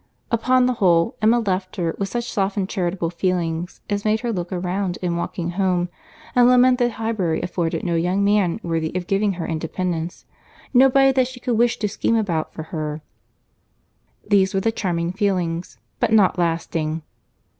Upon the whole, Emma left her with such softened, charitable feelings, as made her look around in walking home, and lament that Highbury afforded no young man worthy of giving her independence; nobody that she could wish to scheme about for her. These were charming feelings—but not lasting.